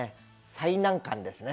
最難関ですね。